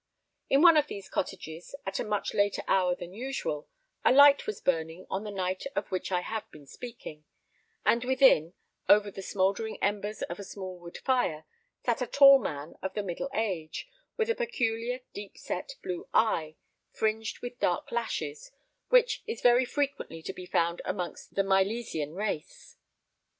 In one of these cottages, at a much later hour than usual, a light was burning on the night of which I have been speaking; and within, over the smouldering embers of a small wood fire, sat a tall man of the middle age, with a peculiar deep set blue eye, fringed with dark lashes, which is very frequently to be found amongst the Milesian race.